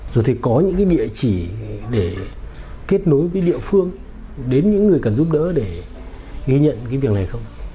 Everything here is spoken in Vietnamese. rồi thì có những cái địa chỉ để kết nối với địa phương đến những người cần giúp đỡ để ghi nhận cái việc này không